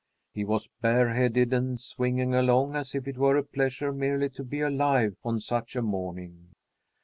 He was bareheaded, and swinging along as if it were a pleasure merely to be alive on such a morning.